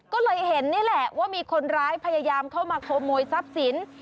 ก็เลยเห็นนี่แหละว่ามีคนร้ายพยายามเข้ามาขโมยทรัพย์สิน